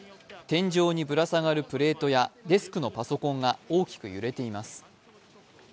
天井にぶら下がるプレートやデスクのパソコンが大きく揺れています。